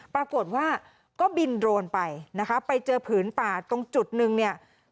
ปรากฏว่าก็บินโดรนไปนะคะไปเจอผืนป่าตรงจุดนึงเนี่ย